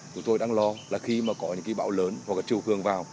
chúng tôi đang lo là khi mà có những cái bão lớn hoặc là trù hương vào